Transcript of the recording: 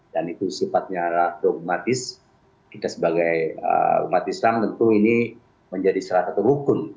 dan itu sifatnya ratu umatis kita sebagai umat islam tentu ini menjadi salah satu hukum